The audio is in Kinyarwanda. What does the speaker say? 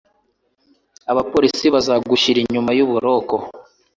Abapolisi bazagushyira inyuma yuburoko.